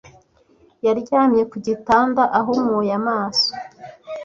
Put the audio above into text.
Yaryamye ku gitanda ahumuye amaso.